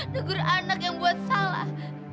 negur anak yang buat salah